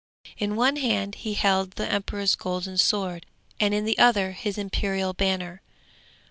In one hand he held the emperor's golden sword, and in the other his imperial banner.